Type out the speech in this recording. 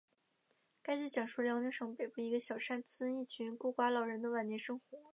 该剧讲述辽宁省北部一个小山村里一群孤寡老人的晚年生活。